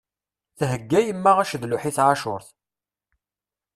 Theyya yemma acedluḥ i tɛacuṛt.